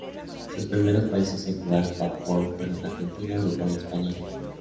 Los primeros países en jugar Padbol fueron Argentina, Uruguay, España e Italia.